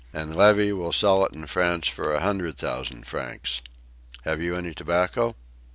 And Levy will sell it in France for a hundred thousand francs. Have you any tobacco?"